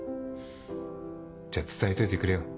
じゃあ伝えといてくれよ